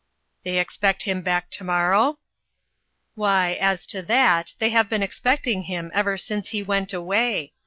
" They expect him back to morrow ?"" Why, as to that, they have been expect ing him ever since he went away.